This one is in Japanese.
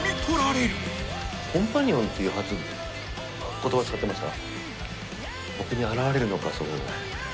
言葉使ってました？